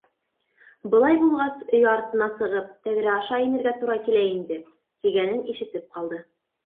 —Былай булғас, өй артына сығып, тәҙрә аша инергә тура килә инде... —тигәнен ишетеп ҡалды.